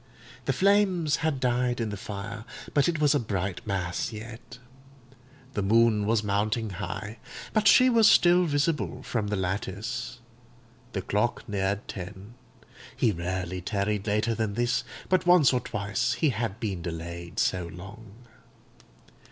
The flames had died in the fire, but it was a bright mass yet; the moon was mounting high, but she was still visible from the lattice; the clock neared ten; he rarely tarried later than this, but once or twice he had been delayed so long.